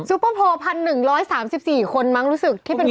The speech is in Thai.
เปอร์โพล๑๑๓๔คนมั้งรู้สึกที่เป็น